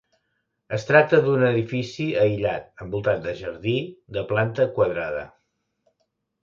Es tracta d'un edifici aïllat, envoltat de jardí, de planta quadrada.